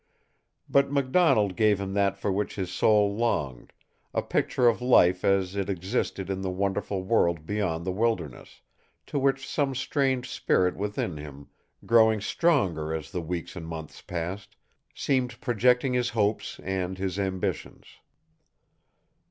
But MacDonald gave him that for which his soul longed a picture of life as it existed in the wonderful world beyond the wilderness, to which some strange spirit within him, growing stronger as the weeks and months passed, seemed projecting his hopes and his ambitions.